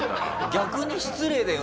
逆に失礼だよ